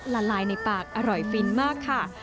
ละลายในปากอร่อยฟินมากค่ะ